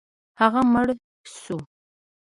هغه مړ شو.